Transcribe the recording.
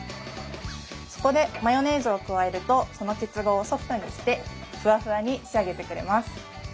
そこでマヨネーズを加えるとその結合をソフトにしてフワフワに仕上げてくれます。